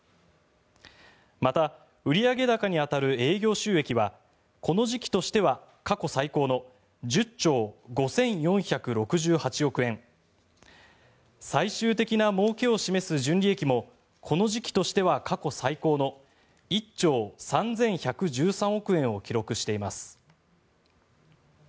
また、売上高に当たる営業収益はこの時期としては過去最高の１０兆５４６８億円最終的なもうけを示す純利益もこの時期としては過去最高の１兆３１１３億円を記録しています。